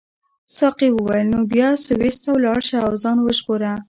ساقي وویل نو بیا سویس ته ولاړ شه او ځان وژغوره.